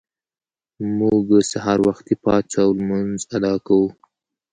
موږ سهار وختي پاڅو او لمونځ ادا کوو